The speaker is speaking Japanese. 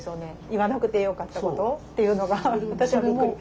言わなくてよかったことっていうのが私はびっくり。